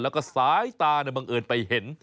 แล้วก็สายตาบังเอิญไปเห็น